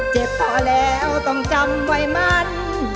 เจ็บพอแล้วต้องจำไว้มัน